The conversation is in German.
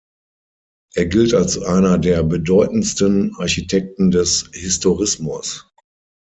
Er gilt als einer der bedeutendsten Architekten des Historismus.